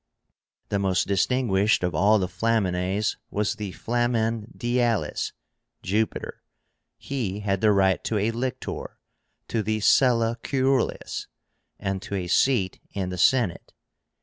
The most distinguished of all the Flamines was the FLAMEN DIÁLIS (Jupiter). He had the right to a lictor, to the sella curulis, and to a seat in the Senate.